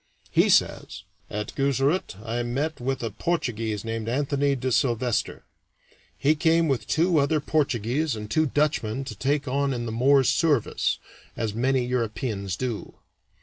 He says: "At Guzarat I met with a Portuguese named Anthony de Sylvestre; he came with two other Portuguese and two Dutchmen to take on in the Moor's service, as many Europeans do.